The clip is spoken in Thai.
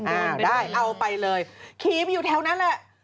อ่าได้เอาไปเลยขี่มาอยู่แถวนั้นแหละ